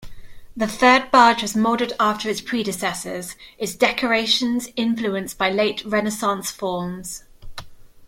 The third barge was modelled after its predecessors, its decorations influenced by late-Renaissance forms.